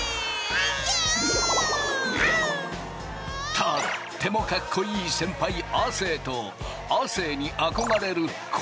とってもかっこいい先輩亜生と亜生に憧れる昴